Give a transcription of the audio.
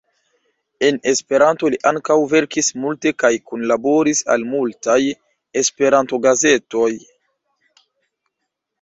En Esperanto li ankaŭ verkis multe kaj kunlaboris al multaj Esperanto-gazetoj.